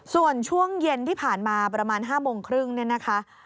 ส่วนช่วงเย็นที่ผ่านมาประมาณ๕โมงครึ่งเนี่ยนะคะ